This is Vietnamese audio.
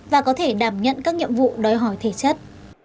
và có thể đảm nhận các nhiệm vụ đòi hỏi thể chất